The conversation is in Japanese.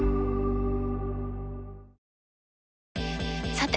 さて！